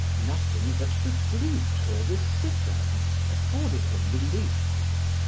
Nothing but the flute or the cithern afforded them relief.